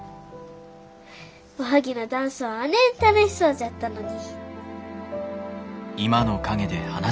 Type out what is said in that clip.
おはぎのダンスはあねん楽しそうじゃったのに。